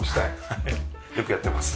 はいよくやってます。